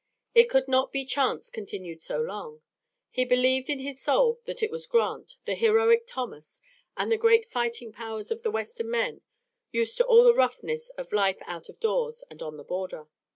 It could not be chance continued so long. He believed in his soul that it was Grant, the heroic Thomas, and the great fighting powers of the western men, used to all the roughness of life out of doors and on the border.